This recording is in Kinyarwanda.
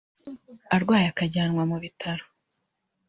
arwaye akajyanwa mu bitaro